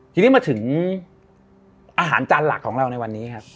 ทีนี้มาถึงอาหารจานหลักของเราในวันนี้ครับ